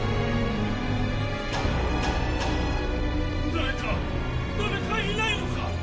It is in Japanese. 誰か⁉誰かいないのか